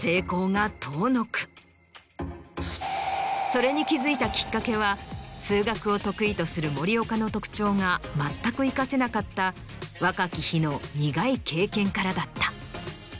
それに気付いたきっかけは数学を得意とする森岡の特徴が全く生かせなかった若き日の苦い経験からだった。